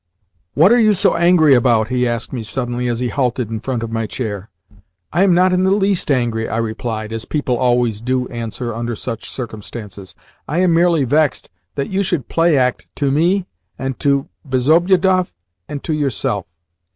"What are you so angry about?" he asked me suddenly as he halted in front of my chair. "I am not in the least angry," I replied (as people always do answer under such circumstances). "I am merely vexed that you should play act to me, and to Bezobiedoff, and to yourself."